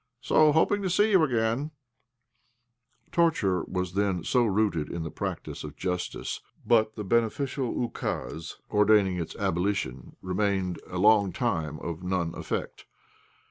So hoping to see you again " Torture was then so rooted in the practice of justice that the beneficial ukase ordaining its abolition remained a long time of none effect.